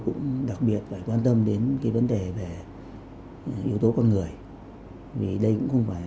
cũng đặc biệt phải quan tâm đến cái vấn đề về yếu tố con người vì đây cũng không phải